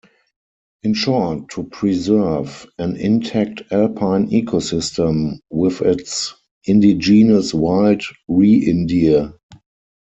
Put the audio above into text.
In short: To preserve an intact alpine ecosystem with its indigenous wild reindeer.